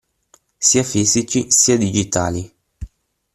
Sia fisici sia digitali.